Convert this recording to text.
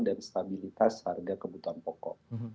dan stabilitas harga kebutuhan pokok